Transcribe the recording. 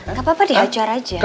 gak apa apa dihajar aja